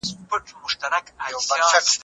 د اړیکو انقلاب نړۍ بدله کړې ده.